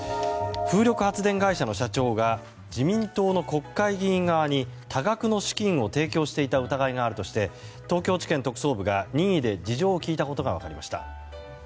風力発電会社の社長が自民党の国会議員側に多額の資金を提供していた疑いがあるとして東京地検特捜部が任意で事情を聴いたことが分かりました。